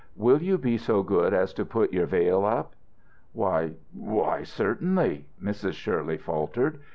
"Will you be so good as to put your veil up." "Why why, certainly!" Mrs. Shirley faltered.